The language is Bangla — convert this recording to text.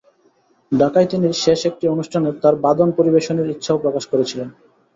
ঢাকায় তিনি শেষ একটি অনুষ্ঠানে তাঁর বাদন পরিবেশনের ইচ্ছাও প্রকাশ করেছিলেন।